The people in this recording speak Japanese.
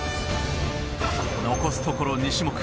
残すところ２種目。